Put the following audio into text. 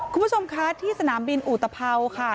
คุณผู้ชมคะที่สนามบินอุตภัวค่ะ